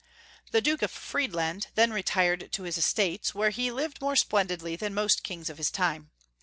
The Duke of Fiiedland then retired to his estates, where he lived more splendidly than most kings of his time.